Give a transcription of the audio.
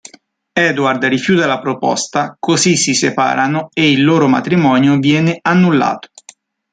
Edward rifiuta la proposta, così si separano e il loro matrimonio viene annullato.